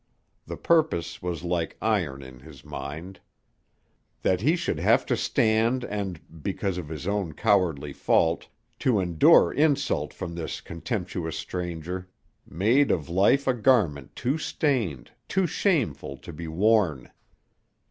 The purpose was like iron in his mind. That he should have to stand and, because of his own cowardly fault, to endure insult from this contemptuous stranger, made of life a garment too stained, too shameful to be worn.